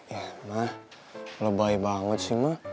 ya emang lo baik banget sih ma